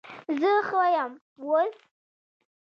زه ښه یم اوس